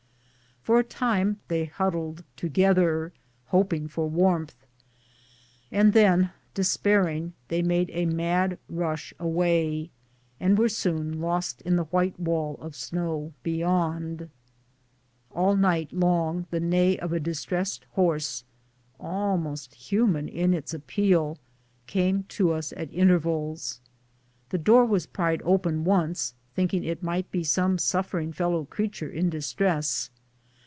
For a time they huddled together, hoping for warmth, and then despairing, they made a mad rush away, and were soon lost in the white wall of snow beyond. All night long the neigh of a distressed horse, almost hu man in its appeal, came to us at intervals. The door was pried open once, thinking it might be some suffer 24 BOOTS AND SADDLES. ing fellow creature in distress.